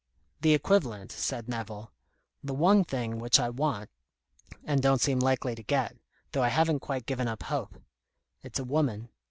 "The equivalent," said Nevill. "The one thing which I want, and don't seem likely to get, though I haven't quite given up hope. It's a woman.